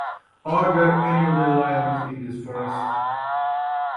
Are there any other lions in this forest?